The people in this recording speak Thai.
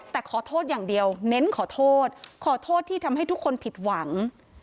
แต่ขอโทษอย่างเดียวเน้นขอโทษขอโทษที่ทำให้ทุกคนผิดหวัง